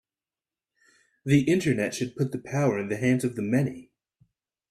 The Internet should put the power in the hands of the many.